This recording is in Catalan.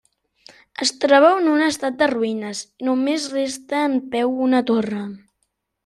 Es troba en un estat de ruïnes i només resta en peu una torre.